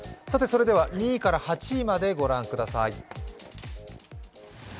２位から８位まで御覧ください。